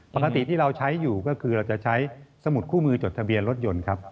ปกติที่เราใช้อยู่ก็คือเราจะใช้สมุดคู่มือจดทะเบียนรถยนต์ครับ